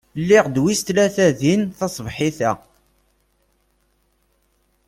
Lliɣ d wis tlata din taṣebḥit-a.